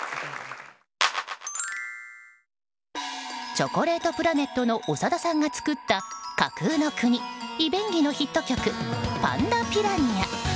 チョコレートプラネットの長田さんが作った架空の国イベンギのヒット曲「ＰａｎｄａＰｉｒａｎｈａ」。